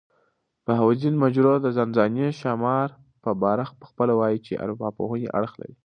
بهاوالدین مجروح د ځانځانۍ ښامارپه باره پخپله وايي، چي ارواپوهني اړخ لري.